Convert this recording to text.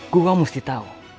gue mesti tahu